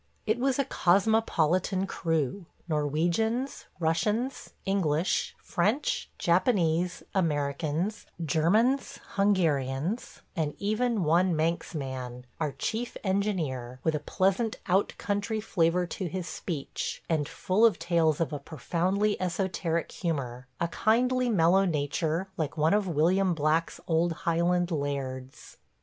It was a cosmopolitan crew – Norwegians, Russians, English, French, Japanese, Americans, Germans, Hungarians, and even one Manx man – our chief engineer, with a pleasant "out country" flavor to his speech, and full of tales of a profoundly esoteric humor – a kindly, mellow nature, like one of William Black's old Highland lairds.